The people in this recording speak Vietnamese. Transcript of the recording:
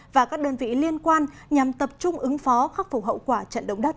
và các đơn vị liên quan nhằm tập trung ứng phó khắc phục hậu quả trận động đất